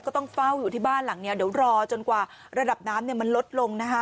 ก็ต้องเฝ้าอยู่ที่บ้านหลังนี้เดี๋ยวรอจนกว่าระดับน้ำมันลดลงนะคะ